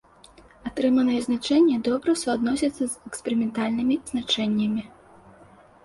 Атрыманыя значэнні добра суадносяцца з эксперыментальнымі значэннямі.